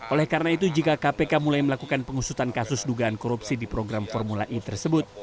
oleh karena itu jika kpk mulai melakukan pengusutan kasus dugaan korupsi di program formula e tersebut